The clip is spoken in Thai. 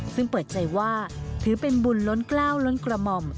ซึ่งเปิดใจว่าถือเป็นบุญล้นกล้าวล้นกระหม่อม